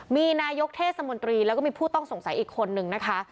มีนายกเทศมนตรีแล้วก็มีผู้ต้องสงสัยอีกคนนึงนะคะ